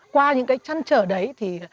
qua những cái chăn trở đấy